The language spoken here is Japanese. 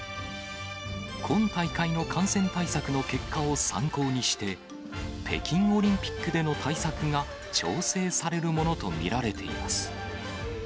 今大会の感染対策の結果を参考にして、北京オリンピックでの対策が調整されるものと見られています。